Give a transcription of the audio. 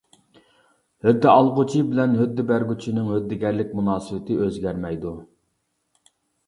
ھۆددە ئالغۇچى بىلەن ھۆددە بەرگۈچىنىڭ ھۆددىگەرلىك مۇناسىۋىتى ئۆزگەرمەيدۇ.